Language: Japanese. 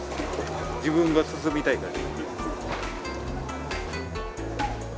自分が進みたいから。